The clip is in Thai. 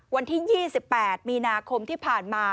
วันที่๒๘มีนาคมที่ผ่านมา